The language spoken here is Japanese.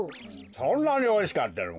そんなにおいしかったのか？